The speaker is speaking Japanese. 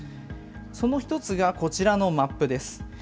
その１つがこちらのマップです。